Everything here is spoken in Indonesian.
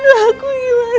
aduh aku gimana ya allah